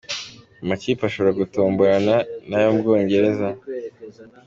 Amakipe ashobora gutomborana n’ayo mu Bwongereza:.